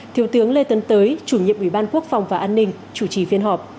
thiếu tướng lê tấn tới chủ nhiệm ủy ban quốc phòng và an ninh chủ trì phiên họp